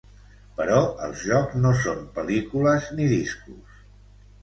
Però els jocs no són pel·lícules ni discos.